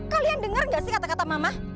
kalian dengar gak sih kata kata mama